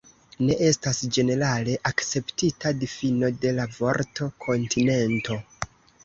Ne estas ĝenerale akceptita difino de la vorto "kontinento.